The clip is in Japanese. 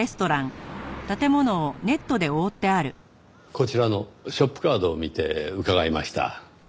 こちらのショップカードを見て伺いました。